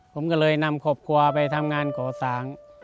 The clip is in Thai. ผมก็เลยนำครอบครัวไปทำงานก่อสร้าง